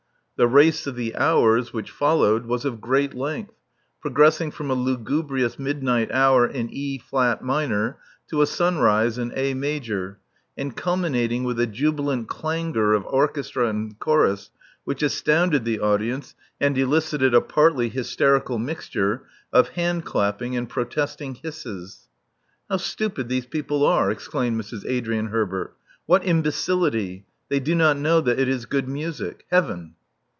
The '*Race of the Hours,*' which followed, was of great length, progressing from a lugubrious midnight hour in E flat minor to a sunrise in A major, and culminating with a jubilant clangor of orchestra and chorus which astounded the audience, and elicited a partly hysterical mixture of hand clapping and protest ing hisses. *'How stupid these people are!*' exclaimed Mrs. Adrian Herbert. What imbecility! They do not know that it is good music. Heaven!